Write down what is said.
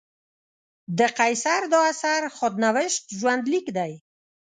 د قیصر دا اثر خود نوشت ژوندلیک دی.